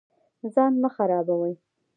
ځان مه خرابوئ